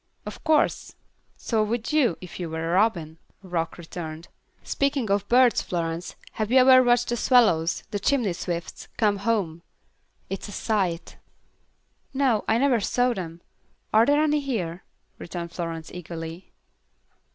"Of course. So would you, if you were a robin," Rock returned. "Speaking of birds, Florence, have you ever watched the swallows the chimney swifts come home? It's a sight." "No, I never saw them. Are there any here?" returned Florence, eagerly.